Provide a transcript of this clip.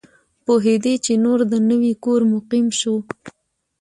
پوهېدی چي نور د نوي کور مقیم سو